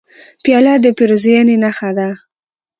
پیاله د پیرزوینې نښه ده.